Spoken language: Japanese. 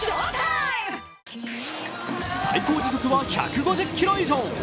最高時速は１５０キロ以上。